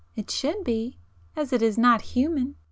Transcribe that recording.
—it should be, as it is not human...